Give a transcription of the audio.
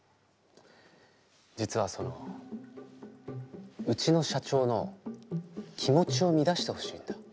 実はそのうちの社長の気持ちを乱してほしいんだ。